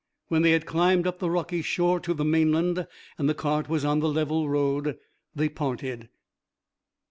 When they had climbed up the rocky shore to the mainland, and the cart was on the level road, they parted.